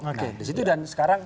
nah di situ dan sekarang